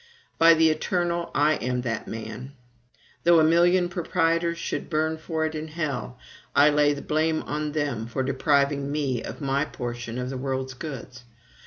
By the Eternal! I am that man. Though a million proprietors should burn for it in hell, I lay the blame on them for depriving me of my portion of this world's goods.